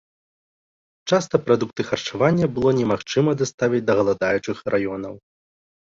Часта прадукты харчавання было немагчыма даставіць да галадаючых раёнаў.